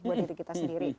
buat diri kita sendiri